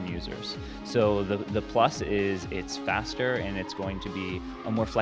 jadi plusnya adalah kita akan lebih cepat dan lebih fleksibel untuk orang indonesia